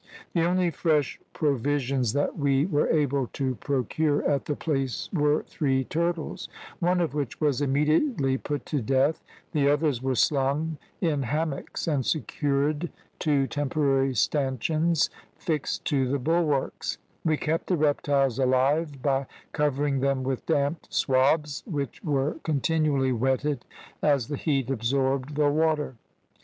The only fresh provisions that we were able to procure at the place were three turtles, one of which was immediately put to death; the others were slung in hammocks, and secured to temporary stanchions fixed to the bulwarks; we kept the reptiles alive by covering them with damped swabs which were continually wetted as the heat absorbed the water.